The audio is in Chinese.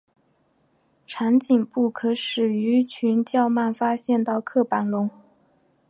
长颈部可使鱼群较慢发现到薄板龙。